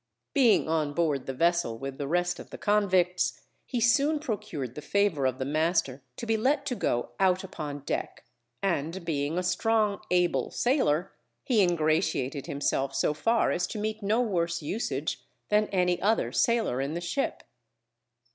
Being on board the vessel with the rest of the convicts, he soon procured the favour of the master to be let to go out upon deck, and being a strong able sailor, he ingratiated himself so far as to meet no worse usage than any other sailor in the ship.